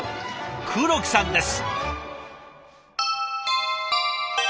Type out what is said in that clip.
黒木さんです。